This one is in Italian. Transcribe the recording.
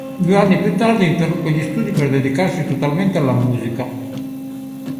Due anni più tardi interruppe gli studi per dedicarsi totalmente alla musica.